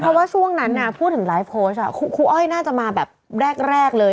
เพราะว่าช่วงนั้นพูดถึงไลฟ์โพสต์ครูอ้อยน่าจะมาแบบแรกเลย